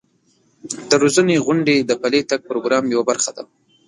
د روزنې غونډې د پلي تګ پروګرام یوه برخه ده.